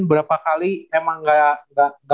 berapa kali emang gak